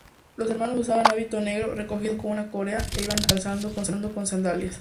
Los hermanos usaban hábito negro, recogido con una correa, e iban calzados con sandalias.